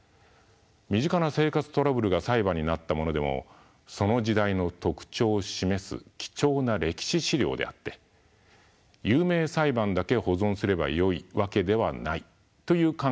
身近な生活トラブルが裁判になったものでもその時代の特徴を示す貴重な歴史資料であって有名裁判だけ保存すればよいわけではないという考え方といえます。